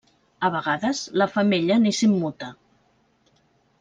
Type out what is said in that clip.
A vegades, la femella ni s'immuta.